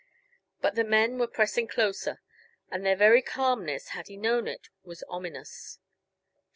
But the men were pressing closer, and their very calmness, had he known it, was ominous.